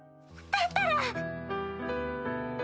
だったら！